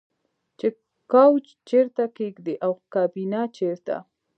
چې کوچ چیرته کیږدئ او کابینه چیرته